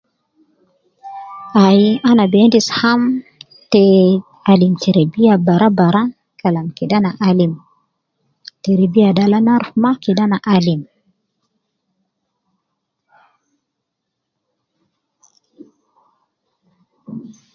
Ayi ana bi endis ham te, alim terebiya bara bara kalam kede ana alim terebiya de, al ana aruf ma kede ana alim